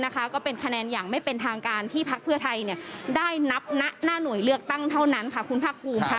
ก็เป็นคะแนนอย่างไม่เป็นทางการที่พักเพื่อไทยได้นับหน้าหน่วยเลือกตั้งเท่านั้นค่ะคุณภาคภูมิค่ะ